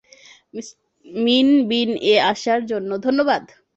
মিন বিন-এ আসার জন্য ধন্যবাদ।